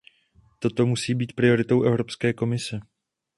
Toto musí být prioritou Evropské komise.